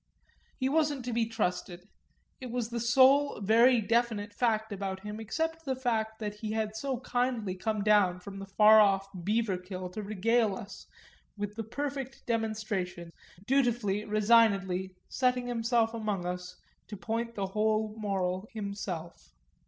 He wasn't to be trusted it was the sole very definite fact about him except the fact that he had so kindly come down from the far off Beaverkill to regale us with the perfect demonstration, dutifully, resignedly setting himself among us to point the whole moral himself.